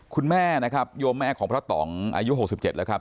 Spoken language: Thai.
คุณแม่นะครับโยมแม่ของพระต่องอายุ๖๗แล้วครับ